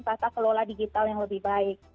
tata kelola digital yang lebih baik